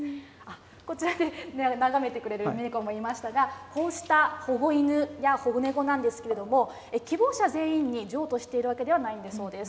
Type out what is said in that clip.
こちら、眺めてくれてる猫もいましたが、こうした保護犬や保護猫なんですけれども、希望者全員に譲渡しているわけではないんだそうです。